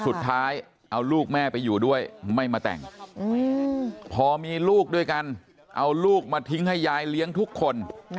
สุดท้ายเอาลูกแม่ไปอยู่ด้วยไม่มาแต่งพอมีลูกด้วยกันเอาลูกมาทิ้งให้ยายเลี้ยงทุกคน